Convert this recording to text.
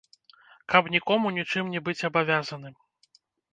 Каб нікому нічым не быць абавязаным.